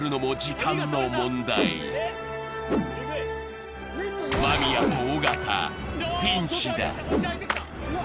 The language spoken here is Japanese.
間宮と尾形、ピンチだ。